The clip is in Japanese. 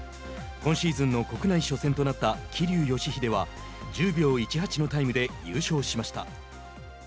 今シーズンの国内初戦となった桐生祥秀は１０秒１８のタイムで優勝しました。